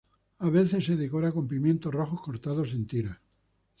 A veces se decora con pimientos rojos cortados en tiras.